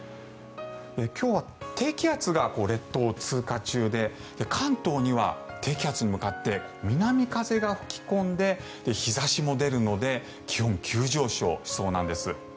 今日は低気圧が列島を通過中で関東には低気圧に向かって南風が吹き込んで日差しも出るので気温、急上昇しそうなんです。